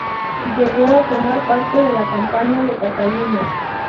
Llegó a tomar parte en la campaña de Cataluña.